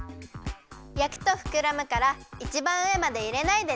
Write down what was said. やくとふくらむからいちばんうえまでいれないでね。